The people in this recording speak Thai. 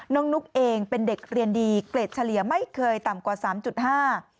น้องนุ๊กเองเป็นเด็กเรียนดีเกรดเฉลี่ยไม่เคยต่ำกว่า๓๕